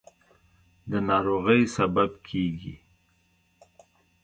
د ناروغۍ سبب کېږي.